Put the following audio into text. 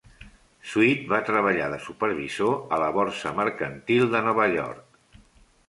Sweat va treballar de supervisor a la Borsa Mercantil de Nova York.